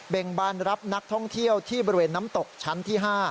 งบานรับนักท่องเที่ยวที่บริเวณน้ำตกชั้นที่๕